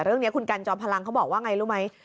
เรื่องนี้คุณกันจอมพลังเขาบอกว่าไงรู้ไหม